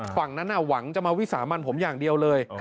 ฝั่งนั้นหวังจะมาวิสามันผมอย่างเดียวเลย